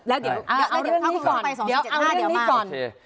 แล้วเดี๋ยวเอาเรื่องนี้ก่อน